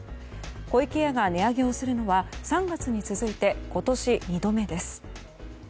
湖池屋が値上げをするのは３月に続いて今年２度目です。